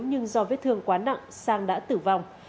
nhưng do vết thương quá nặng sang đã tử vong